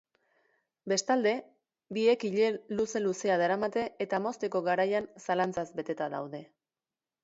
Bestalde, biek ilea luze-luzea daramate eta mozteko garaian zalantzaz beteta daude.